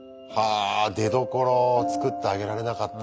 あ出どころを作ってあげられなかった。